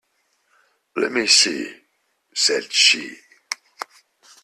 "Let me see," said she.